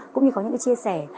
cũng như có những chia sẻ